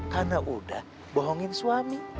karena udah bohongin suami